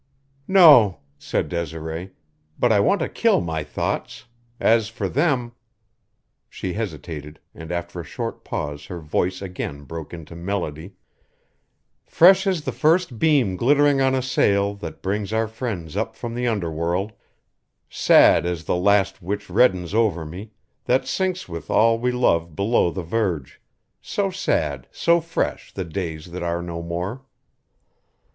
"No," said Desiree, "but I want to kill my thoughts. As for them " She hesitated, and after a short pause her voice again broke into melody: "Fresh as the first beam glittering on a sail That brings our friends up from the underworld; Sad as the last which reddens over one That sinks with all we love below the verge; So sad, so fresh, the days that are no more."